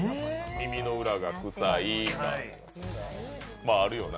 耳の裏が臭いあるよな。